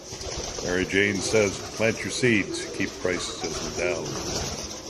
Mary Jane says "Plant Your Seeds. Keep Prices Down."